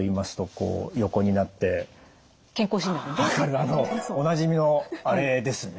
あのおなじみのあれですね？